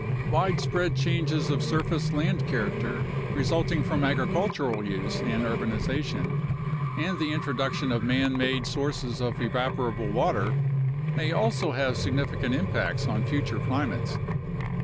Widespread changes of surface land character resulting from agri cultural use and urbanization, and the introduction of man made sources of evaporable water, may also have significant impacts on future climates.